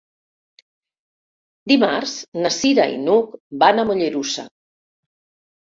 Dimarts na Cira i n'Hug van a Mollerussa.